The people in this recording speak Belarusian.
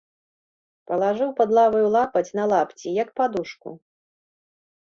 Палажыў пад лаваю лапаць на лапці, як падушку.